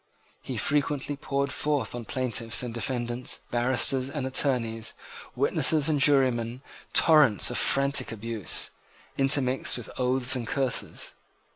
He frequently poured forth on plaintiffs and defendants, barristers and attorneys, witnesses and jurymen, torrents of frantic abuse, intermixed with oaths and curses.